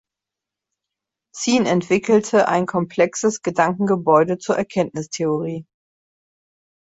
Ziehen entwickelte ein komplexes Gedankengebäude zur Erkenntnistheorie.